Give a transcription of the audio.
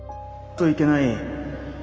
といけない。